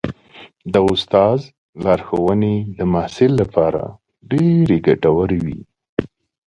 د استاد لارښوونې د محصل لپاره ډېرې ګټورې وي.